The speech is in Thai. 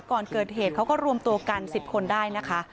ก่อนเกิดเหตุเขาก็รวมตัวกัน๑๐คนได้นะคะ